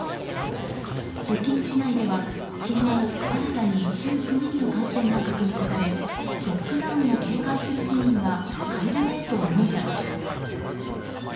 北京市内では昨日新たに１９人の感染が確認されロックダウンを警戒する市民が買いだめへと動いたのです。